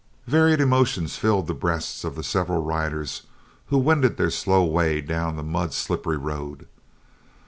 Varied emotions filled the breasts of the several riders who wended their slow way down the mud slippery road.